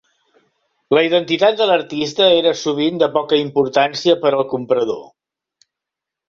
La identitat de l'artista era sovint de poca importància per al comprador.